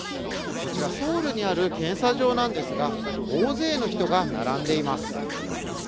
こちらソウルにある検査所なんですけれども大勢の人が並んでいます。